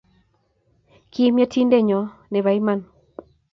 Kim Yetindenyo ne po iman.